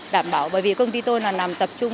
đảm bảo bởi vì công ty tôi là nằm tập trung